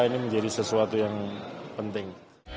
ini menjadi sesuatu yang penting